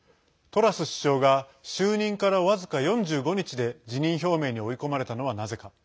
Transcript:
トラス首相が就任から僅か４５日で、辞任表明に追い込まれたのはなぜか。